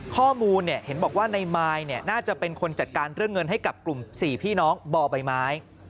ข้อมูลเห็นบอกว่าในมายน่าจะเป็นคนจัดการเรื่องเงินให้กับกลุ่ม๔พี่น้องบ่อใบไม้